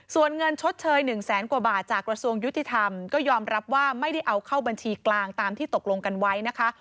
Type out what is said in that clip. ส่วนเงินชดเชย๑แสนกว่าบาทจากกระทรวงยุติธรรมก็ยอมรับว่าไม่ได้เอาเข้าบัญชีกลางตามที่ตกลงกันไว้นะคะ